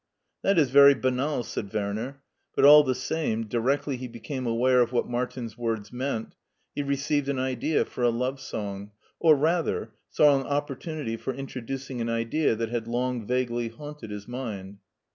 " That is very banal,'' said Werner, but all the same, directly he became aware of what Martin's words meant, he received an idea for a love song, or rather, saw an opportunity for introducing an idea that had long vaguely hatmted his mind.